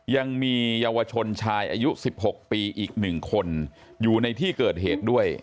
ยังมีเยาวชนชายอายุ๑๖ปีอีก๑คนอยู่ในที่เกิดเหตุด้วย